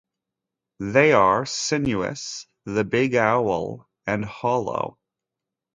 They are Sinuous, The Big Owl and Hollow.